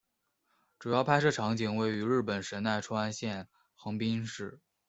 主要拍摄场景位于日本神奈川县横滨市。